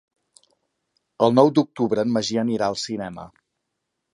El nou d'octubre en Magí anirà al cinema.